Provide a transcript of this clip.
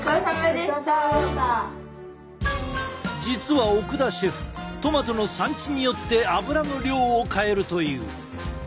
実は奥田シェフトマトの産地によって油の量を変えるという。